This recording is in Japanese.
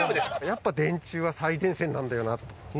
やっぱ電柱は最前線なんだよなと。